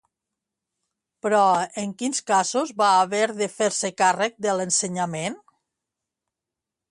Però, en quins casos va haver de fer-se càrrec de l'ensenyament?